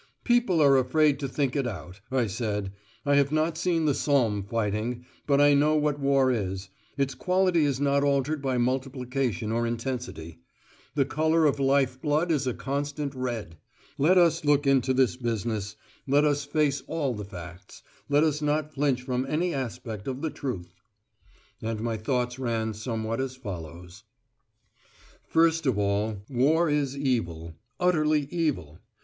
"People are afraid to think it out," I said. "I have not seen the Somme fighting, but I know what war is. Its quality is not altered by multiplication or intensity. The colour of life blood is a constant red. Let us look into this business; let us face all the facts. Let us not flinch from any aspect of the truth." And my thoughts ran somewhat as follows: First of all, War is evil utterly evil.